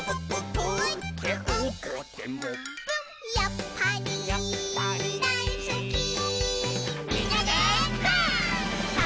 「やっぱりやっぱりだいすき」「みんなでパン！」